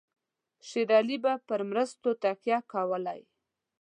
شېر علي به پر مرستو تکیه کولای.